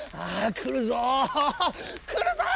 くるぞっ！